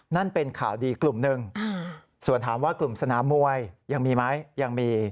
นั่นเป็นข่าวดีกลุ่มหนึ่งส่วนถามว่ากลุ่มสนามมวยยังมีไหมยังมี